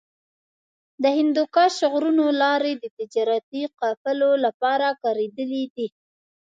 د هندوکش غرونو لارې د تجارتي قافلو لپاره کارېدلې دي.